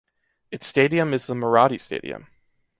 Its stadium is the Maradi stadium.